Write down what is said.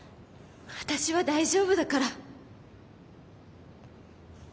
私は大丈夫だから。